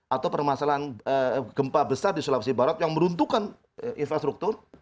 atau permasalahan gempa besar di sulawesi barat yang meruntuhkan infrastruktur